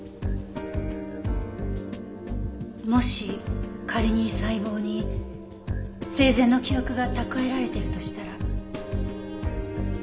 もし仮に細胞に生前の記憶が蓄えられているとしたら。